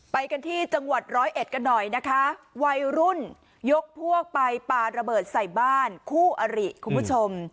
ไปกันที่จังหวัดร้อยเอ็ดกันหน่อยนะคะวัยรุ่นยกพวกไปปาระเบิดใส่บ้านคู่อริคุณผู้ชม